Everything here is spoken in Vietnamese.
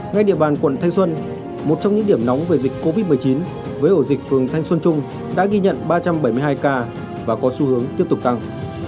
ngay địa bàn quận thanh xuân một trong những điểm nóng về dịch covid một mươi chín với ổ dịch phường thanh xuân trung đã ghi nhận ba trăm bảy mươi hai ca và có xu hướng tiếp tục tăng